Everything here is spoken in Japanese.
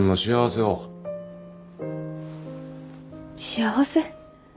幸せ？